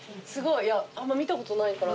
あんま見たことないから。